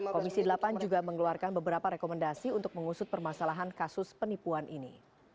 komisi delapan juga mengeluarkan beberapa rekomendasi untuk mengusut permasalahan kasus penipuan ini